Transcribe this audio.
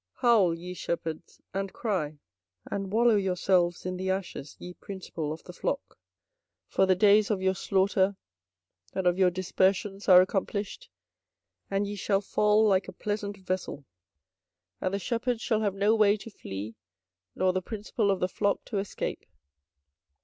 24:025:034 Howl, ye shepherds, and cry; and wallow yourselves in the ashes, ye principal of the flock: for the days of your slaughter and of your dispersions are accomplished; and ye shall fall like a pleasant vessel. 24:025:035 And the shepherds shall have no way to flee, nor the principal of the flock to escape.